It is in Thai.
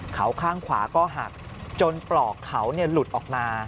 เขาข้างขวาก็หักจนปลอกเขาหลุดออกมา